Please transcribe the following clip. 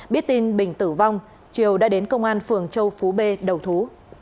biết tin bình tử vong triều đã đến công an phường châu phú bê đầu thú